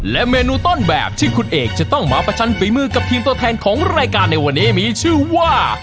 และเมนูต้นแบบที่คุณเอกจะต้องมาประชันฝีมือกับทีมตัวแทนของรายการในวันนี้มีชื่อว่า